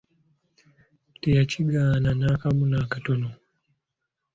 Teyakigaana n'akamu nakatono.